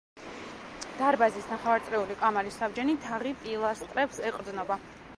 დარბაზის ნახევარწრიული კამარის საბჯენი თაღი პილასტრებს ეყრდნობა.